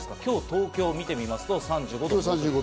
東京を見てみますと３５度。